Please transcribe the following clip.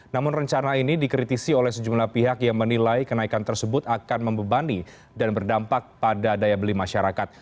namun rencana ini dikritisi oleh sejumlah pihak yang menilai kenaikan tersebut akan membebani dan berdampak pada daya beli masyarakat